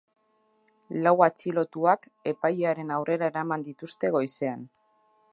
Lau atxilotuak epailearen aurrera eraman dituzte goizean.